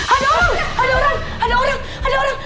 ada orang ada orang